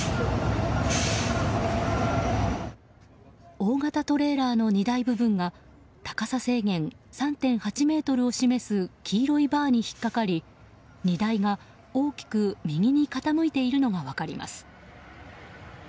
大型トレーラーの荷台部分が高さ制限３．８ｍを示す黄色いバーに引っ掛かり荷台が大きく右に傾いているのが分かります。